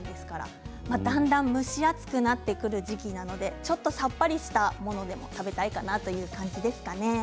だんだん蒸し暑くなってくるころなのでさっぱりしたものが食べたいかなという感じですかね。